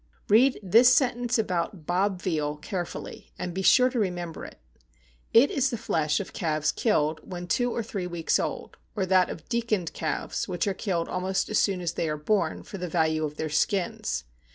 Read this sentence about BOB VEAL carefully, and be sure to remember it. It is the flesh of calves killed when two or three weeks old, or that of "deaconed calves," which are killed almost as soon as they are born, for the value of their skins.